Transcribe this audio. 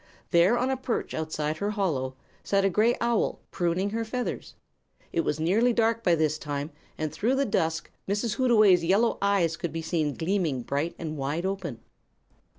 There, on a perch outside her hollow, sat the gray owl, pruning her feathers. It was nearly dark by this time, and through the dusk Mrs. Hootaway's yellow eyes could be seen gleaming bright and wide open.